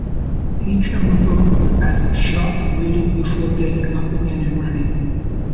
He trembled over as if shot and waited before getting up again and running.